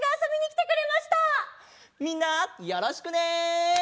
みんなよろしくね！